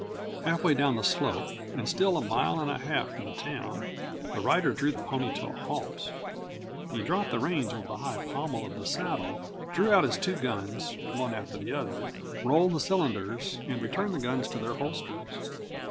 Half way down the slope, and still a mile and a half from the town, the rider drew the pony to a halt. He dropped the reins over the high pommel of the saddle, drew out his two guns, one after the other, rolled the cylinders, and returned the guns to their holsters.